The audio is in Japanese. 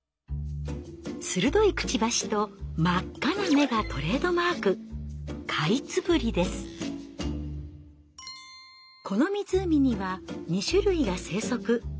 鋭いくちばしと真っ赤な目がトレードマークこの湖には２種類が生息。